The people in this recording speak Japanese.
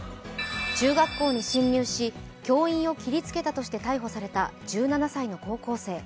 中学校に侵入し、教員を切りつけたとして逮捕された１７歳の高校生。